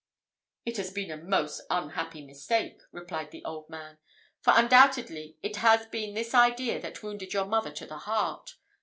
"It has been a most unhappy mistake," replied the old man, "for undoubtedly it has been this idea that wounded your mother to the heart.